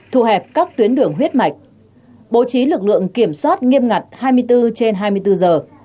thu hẹp các tuyến đường huyết mạch bố trí lực lượng kiểm soát nghiêm ngặt hai mươi bốn trên hai mươi bốn giờ